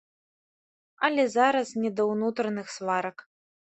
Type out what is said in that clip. Але зараз не да ўнутраных сварак.